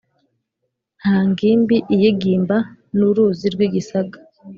nta ngimbi iyigimba. ni uruzi rw’igisaga